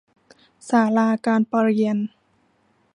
ศาลาการเปรียญ